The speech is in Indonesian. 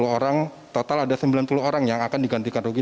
sepuluh orang total ada sembilan puluh orang yang akan digantikan rugi